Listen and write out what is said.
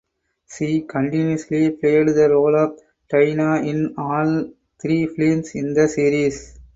She continuously played the role of Tina in all three films in the series.